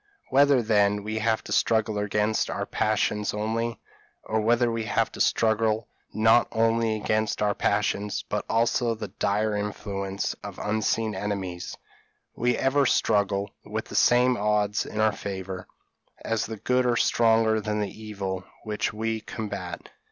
Whether, then, we have to struggle against our passions only, or whether we have to struggle not only against our passions, but also the dire influence of unseen enemies, we ever struggle with the same odds in our favour, as the good are stronger than the evil which we combat.